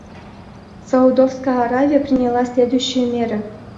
Саудовская Аравия приняла следующие меры.